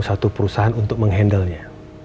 satu perusahaan untuk menghandlenya